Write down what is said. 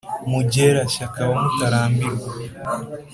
mugera-shyaka wa mutarambirwa,